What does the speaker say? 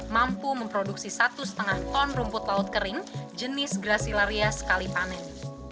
mampu memproduksi satu lima ton rumput laut kering jenis gracilaria sekali panen